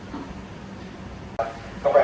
คุณพร้อมกับเต้ย